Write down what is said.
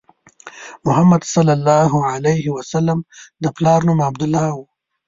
محمد صلی الله علیه وسلم د پلار نوم عبدالله و.